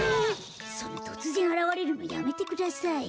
そのとつぜんあらわれるのやめてください。